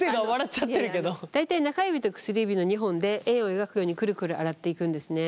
大体中指と薬指の２本で円を描くようにくるくる洗っていくんですね。